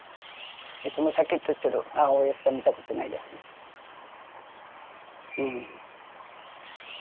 いつもしゃきっとしてる母親しか見たことないですねうん。